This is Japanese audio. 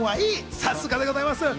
さすがでございます。